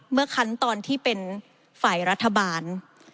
เมื่อขั้นตอนที่เป็นฝ่ายรัฐบาล